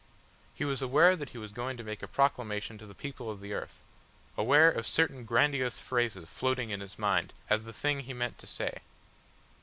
He was aware that he was going to make a proclamation to the People of the Earth, aware of certain grandiose phrases floating in his mind as the thing he meant to say.